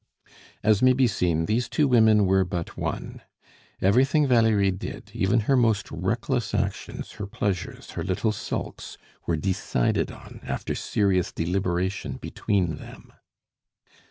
As may be seen, these two women were but one. Everything Valerie did, even her most reckless actions, her pleasures, her little sulks, were decided on after serious deliberation between them.